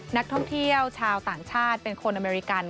นักท่องเที่ยวชาวต่างชาติเป็นคนอเมริกัน